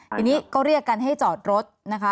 ทีนี้ก็เรียกกันให้จอดรถนะคะ